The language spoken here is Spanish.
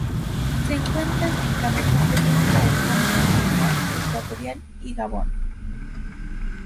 Se encuentran en Camerún, República del Congo, Guinea Ecuatorial, y Gabón.